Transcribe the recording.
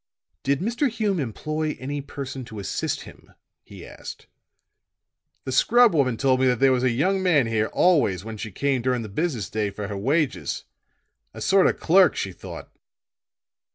"Did Mr. Hume employ any person to assist him?" he asked. "The scrub woman told me that there was a young man here always when she came during the business day for her wages. A sort of clerk, she thought."